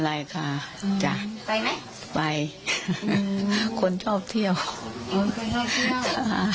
ไรค่ะจ้ะไปไหมไปอืมคนชอบเที่ยวอ๋อคนชอบเที่ยวอ่า